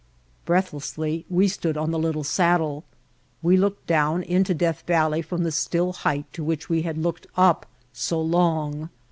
Breathlessly we stood on the little saddle. We looked down into Death Valley from the still height to which we had looked up so long.